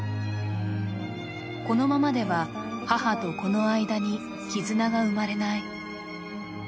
このままでは母と子の間に絆が生まれない。